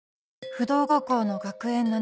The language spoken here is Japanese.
不動高校の学園七